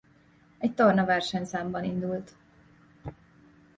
Egy torna versenyszámban indult.